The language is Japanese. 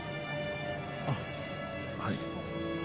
あっはい。